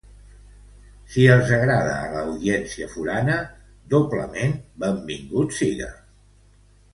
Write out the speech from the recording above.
Si els agrada a l'audiència forana, doblement benvingut siga.